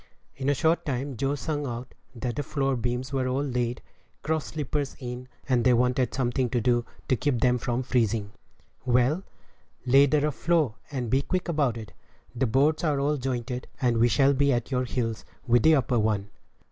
In a short time Joe sung out that the floor beams were all laid, cross sleepers in, and they wanted something to do to keep them from freezing. "Well, lay the rough floor, and be quick about it; the boards are all jointed, and we shall be at your heels with the upper one."